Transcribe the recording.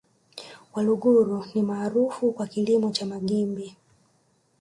Waluguru ni maarufu kwa kilimo cha magimbi